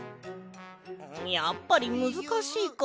やっぱりむずかしいか。